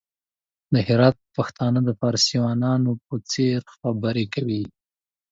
د هرات پښتانه د فارسيوانانو په څېر خبري کوي!